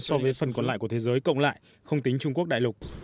so với phần còn lại của thế giới cộng lại không tính trung quốc đại lục